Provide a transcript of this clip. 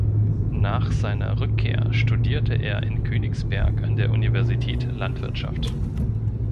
Nach seiner Rückkehr studierte er in Königsberg an der Universität Landwirtschaft.